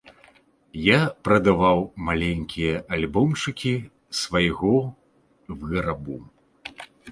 Я прадаваў маленькія альбомчыкі свайго вырабу.